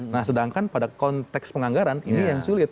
nah sedangkan pada konteks penganggaran ini yang sulit